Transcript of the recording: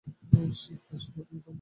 কাশী পাঠি বলবে।